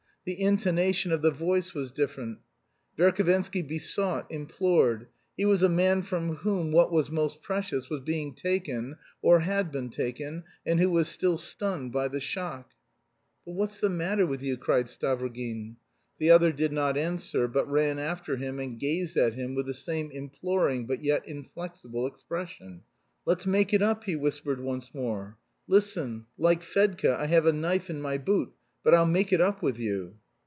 The intonation of the voice was different. Verhovensky besought, implored. He was a man from whom what was most precious was being taken or had been taken, and who was still stunned by the shock. "But what's the matter with you?" cried Stavrogin. The other did not answer, but ran after him and gazed at him with the same imploring but yet inflexible expression. "Let's make it up!" he whispered once more. "Listen. Like Fedka, I have a knife in my boot, but I'll make it up with you!"